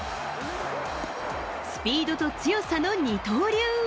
スピードと強さの二刀流。